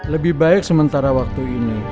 lebih baik sementara waktu ini